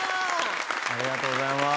ありがとうございます。